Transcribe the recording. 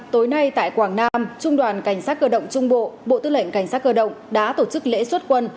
tối nay tại quảng nam trung đoàn cảnh sát cơ động trung bộ bộ tư lệnh cảnh sát cơ động đã tổ chức lễ xuất quân